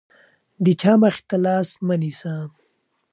د چا مخې ته لاس مه نیسه.